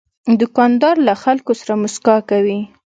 دوکاندار له خلکو سره مسکا کوي.